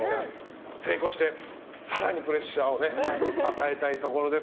成功して更にプレッシャーを与えたいところです。